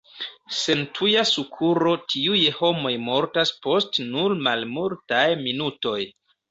Sen tuja sukuro tiuj homoj mortas post nur malmultaj minutoj.